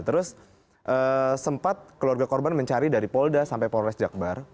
terus sempat keluarga korban mencari dari polda sampai polres jakbar